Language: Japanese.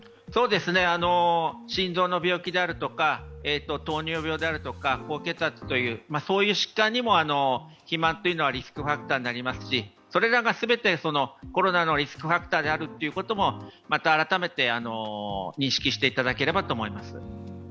心臓の病気であるとか、糖尿病であるとか高血圧という疾患にも肥満というのはリスクファクターになりますしそれらが全てコロナのリスクファクターであるということもまた改めて認識していただければと思います。